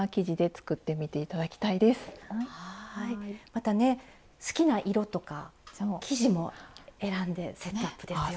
またね好きな色とか生地も選んでセットアップですよ。